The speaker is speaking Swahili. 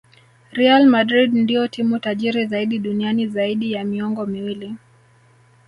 real madrid ndio timu tajiri zaidi duniani zaidi ya miongo miwili